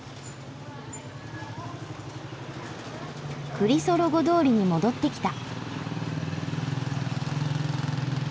クリソロゴ通りに戻ってきた。